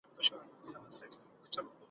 Vi är inte så lastgamla än, du mor.